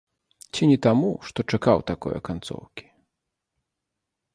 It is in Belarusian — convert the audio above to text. Ці не таму, што чакаў такое канцоўкі?